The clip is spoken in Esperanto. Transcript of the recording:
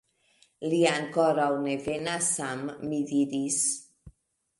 Li ankoraŭ ne venas, Sam, mi diris.